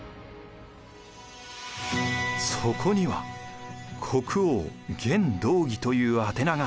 そこには「国王源道義」という宛名が。